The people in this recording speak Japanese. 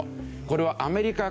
これはアメリカ